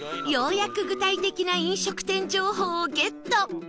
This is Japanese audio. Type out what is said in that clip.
ようやく具体的な飲食店情報をゲット